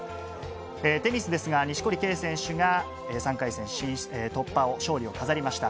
テニスですが、錦織圭選手が３回戦突破を、勝利を飾りました。